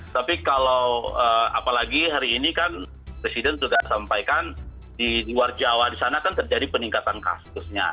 tapi kalau apalagi hari ini kan presiden sudah sampaikan di luar jawa di sana kan terjadi peningkatan kasusnya